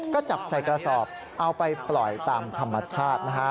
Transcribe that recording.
ก็จับใส่กระสอบเอาไปปล่อยตามธรรมชาตินะฮะ